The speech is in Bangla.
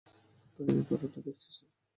ওই তারাটা দেখছিস?